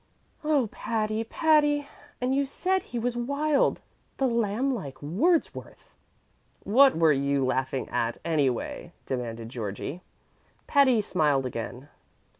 "Oh, Patty, Patty! and you said he was wild the lamblike Wordsworth!" "What were you laughing at, anyway?" demanded Georgie. Patty smiled again.